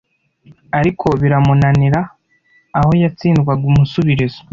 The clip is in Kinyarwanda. ariko biramunanira aho yatsindwaga umusubirizo